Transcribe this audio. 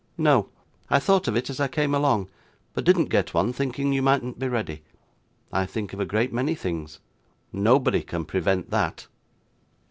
'No; I thought of it as I came along; but didn't get one, thinking you mightn't be ready. I think of a great many things. Nobody can prevent that.